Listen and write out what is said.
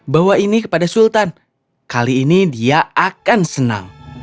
bawa ini kepada sultan kali ini dia akan senang